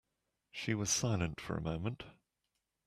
She was silent for a moment.